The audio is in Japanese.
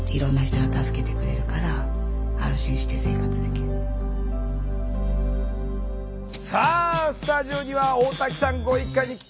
あなるほどね。さあスタジオには大滝さんご一家に来て頂きました。